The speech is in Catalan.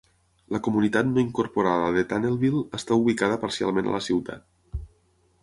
La comunitat no incorporada de Tunnelville està ubicada parcialment a la ciutat.